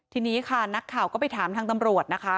ทีนี้ค่ะนักข่าวก็ไปถามทางตำรวจนะคะ